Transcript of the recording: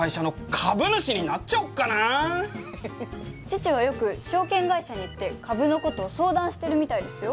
父はよく証券会社に行って株のことを相談してるみたいですよ。